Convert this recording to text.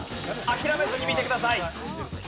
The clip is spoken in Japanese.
諦めずに見てください。